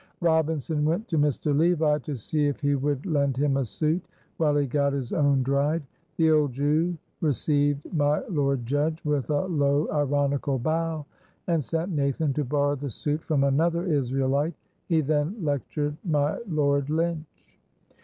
Robinson went to Mr. Levi, to see if he would lend him a suit, while he got his own dried. The old Jew received my lord judge with a low, ironical bow, and sent Nathan to borrow the suit from another Israelite. He then lectured my lord Lynch.